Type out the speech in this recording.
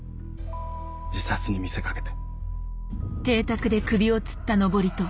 自殺に見せかけて。